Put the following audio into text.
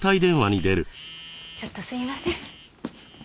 ちょっとすいません。